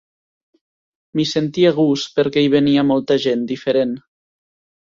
M'hi sentia a gust perquè hi venia molta gent diferent.